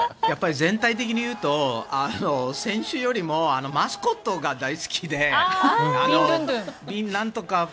やっぱり全体的に言うと選手よりもマスコットが大好きでビンなんとか。